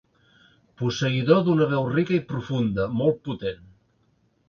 Posseïdor d'una veu rica i profunda, molt potent.